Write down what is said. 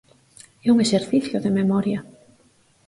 É un exercicio de memoria.